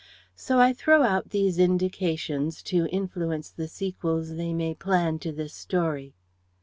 So I throw out these indications to influence the sequels they may plan to this story.